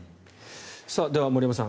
では、森山さん